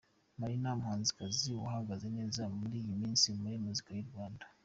Marina umuhanzikazi uhagaze neza muri iyi minsi muri muzika y'u Rwanda.